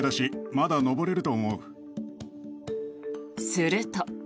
すると。